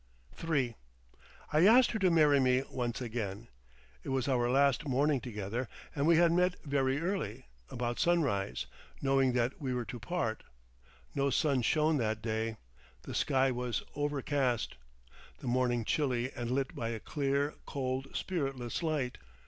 III I asked her to marry me once again. It was our last morning together, and we had met very early, about sunrise, knowing that we were to part. No sun shone that day. The sky was overcast, the morning chilly and lit by a clear, cold, spiritless light.